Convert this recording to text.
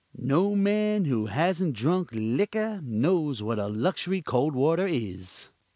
No man who hasn't drank liker knows what a luxury cold water is.